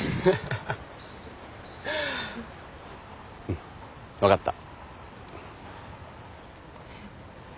うん分かった。